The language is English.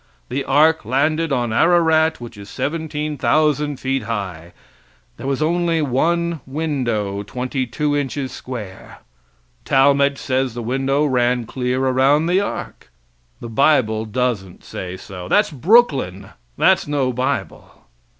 The ark landed on Ararat, which is 17,000 feet high. There was only one window, twenty two inches square. Talmage says the window ran clear around the ark. The bible doesn't say so. That's Brooklyn; that's no bible.